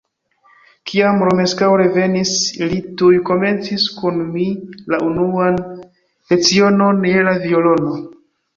Kiam Romeskaŭ revenis, li tuj komencis kun mi la unuan lecionon je la violono.